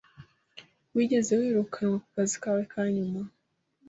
Wigeze wirukanwa ku kazi kawe ka nyuma?